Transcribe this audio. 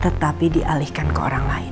tetapi dialihkan ke orang lain